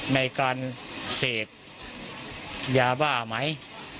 ในการเสพยาบ้าไหม